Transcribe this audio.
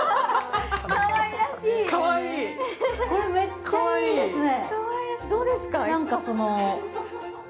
これめっちゃいいですね。